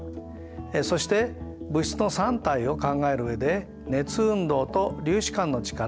そして「物質の三態」を考える上で「熱運動」と「粒子間の力」